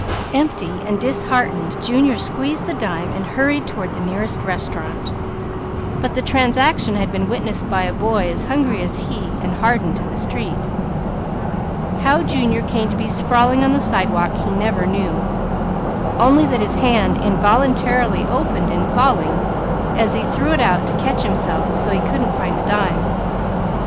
Empty and disheartened Junior squeezed the dime and hurried toward the nearest restaurant. But the transaction had been witnessed by a boy as hungry as he, and hardened to the street. How Junior came to be sprawling on the sidewalk he never knew; only that his hand involuntarily opened in falling and he threw it out to catch himself, so he couldn't find the dime.